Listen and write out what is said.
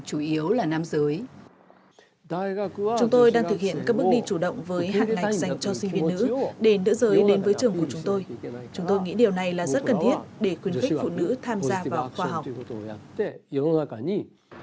chúng tôi đang thực hiện các bước đi chủ động với hạn ngạch dành cho sinh viên nữ để nữ giới đến với trường của chúng tôi chúng tôi nghĩ điều này là rất cần thiết để khuyến khích phụ nữ tham gia vào khoa học